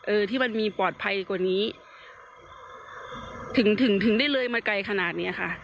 เออที่มันมีปลอดภัยกว่านี้ถึงถึงได้เลยมาไกลขนาดเนี้ยค่ะ